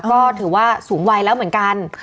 ก็ถือว่าสูงวัยแล้วเหมือนกัน